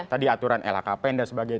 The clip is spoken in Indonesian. tadi aturan lhkpn dan sebagainya